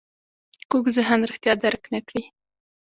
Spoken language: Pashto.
کوږ ذهن رښتیا درک نه کړي